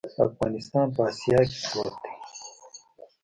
افغانستان په اسیا کې پروت دی.